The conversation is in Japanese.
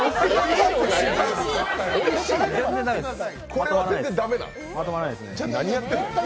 これは全然駄目なん。